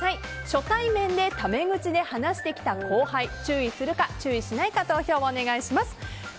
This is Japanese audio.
初対面でタメ口で話してきた後輩注意するか注意しないか投票をお願いします。